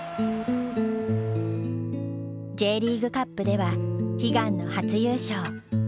Ｊリーグカップでは悲願の初優勝。